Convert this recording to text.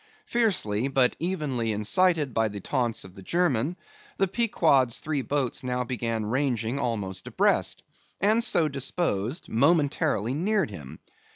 Fiercely, but evenly incited by the taunts of the German, the Pequod's three boats now began ranging almost abreast; and, so disposed, momentarily neared him.